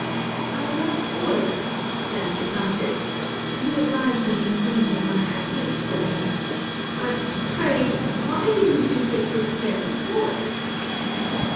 I love Order, [ays the Countej'sy and you oblige me in ranging my Ideas for me : But pray, why didn't you take this Care before